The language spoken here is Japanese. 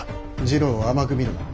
次郎を甘く見るな。